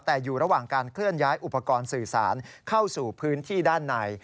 แต่อยู่ระหว่างการเคลื่อนย้ายอุปกรณ์สื่อสารเข้าสู่พื้นที่ด้านใน